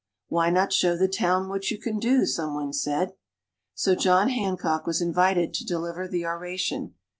"Why not show the town what you can do!" some one said. So John Hancock was invited to deliver the oration.